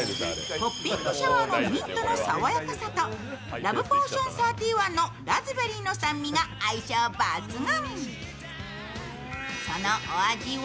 ポッピングシャワーのミントの爽やかさとラブポーションサーティワンのラズベリーの酸味が相性抜群。